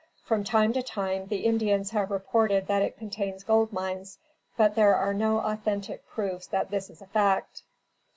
From time to time, the Indians have reported that it contains gold mines, but there are no authentic proofs that this is a fact.